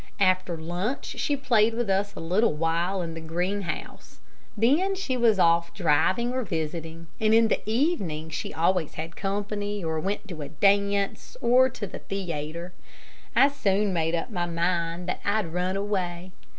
After lunch she played with us for a little while in the greenhouse, then she was off driving or visiting, and in the evening she always had company, or went to a dance, or to the theatre. I soon made up my mind that I'd run away.